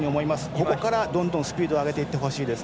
ここからどんどんスピードを上げていってほしいです。